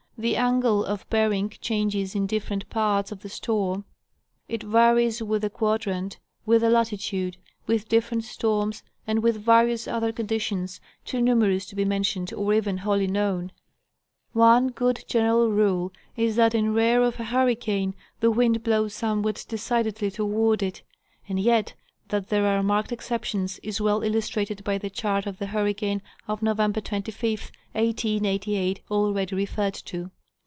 The angle of bearing changes in different parts of the storm, it varies with the quadrant, with the latitude, with different storms, and with various other conditions, too numerous to be mentioned or even wholly known. One good general rule is that in rear of a hurri cane the wind blows somewhat decidedly toward it; and yet that there are marked exceptions is well illustrated by the chart of the hurricane of November 25, 1888, already referred to.